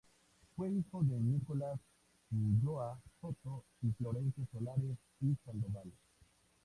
Fue hijo de Nicolás Ulloa Soto y Florencia Solares y Sandoval.